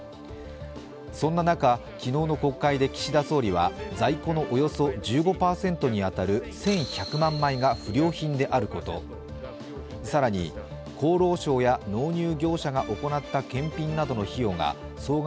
そんな中、昨日の国会で岸田総理は在庫のおよそ１５％に当たる１１００万枚が不良品であること、更に、厚労省や納入業者が行った検品などの費用が総額